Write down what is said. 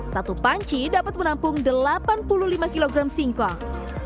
satu panci dapat menampung delapan puluh lima kg singkong